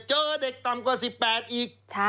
เจอเด็กต่ำกว่า๑๘อีก